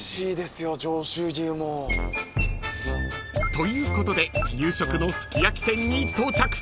［ということで夕食のすき焼店に到着］